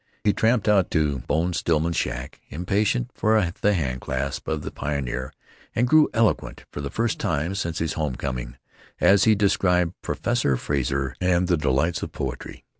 He tramped out to Bone Stillman's shack, impatient for the hand clasp of the pioneer, and grew eloquent, for the first time since his home coming, as he described Professor Frazer and the delights of poesy.